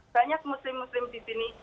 banyak muslim muslim di sini